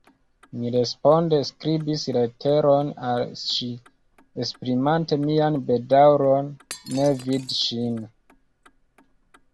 Mi responde skribis leteron al ŝi, esprimante mian bedaŭron ne vidi ŝin.